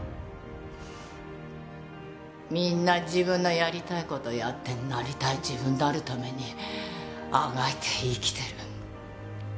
みんな自分のやりたい事をやってなりたい自分になるためにあがいて生きてる。